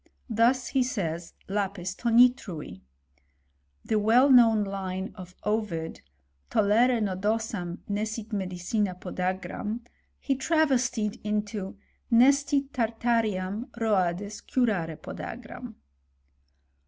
Thus he says, lapis tanitrui. The well known line of Ovid, Tollere nodosam nescit medicina podagram, ^ He travestied into Nescit tartaream Roades curare podagram.